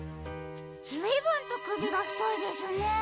ずいぶんとくびがふといですね。